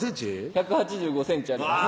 １８５ｃｍあります